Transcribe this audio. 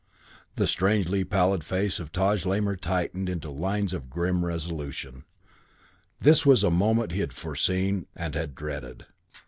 The strangely pallid face of Taj Lamor tightened into lines of grim resolution. This was a moment he had foreseen and had dreaded.